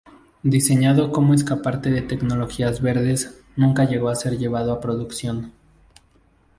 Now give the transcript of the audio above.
Diseñado como escaparate de tecnologías verdes, nunca llegó a ser llevado a producción.